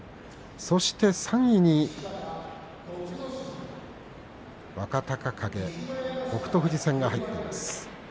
そして３位に若隆景と北勝富士戦が入っています。